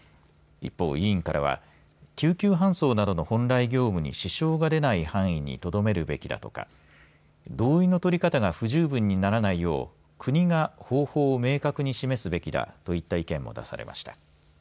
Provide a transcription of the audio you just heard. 一方、委員からは救急搬送などの本来業務に支障が出ない範囲にとどめるべきだとか同意の取り方が不十分にならないよう国が方法を明確に示すべきだといった意見も出されました。